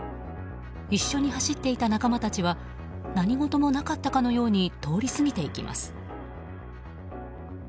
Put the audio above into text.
一緒に走っていた仲間たちは何事もなかったかのように通り過ぎていきます。